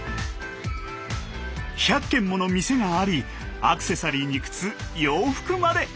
１００軒もの店がありアクセサリーに靴洋服まで！